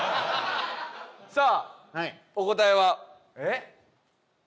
さあお答えは。えっ？